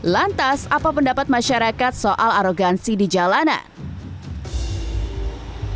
lantas apa pendapat masyarakat soal arogansi di jalanan